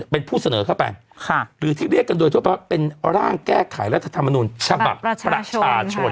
เป็นผู้เสนอเข้าไปหรือที่เรียกกันโดยทั่วไปเป็นร่างแก้ไขรัฐธรรมนุนฉบับประชาชน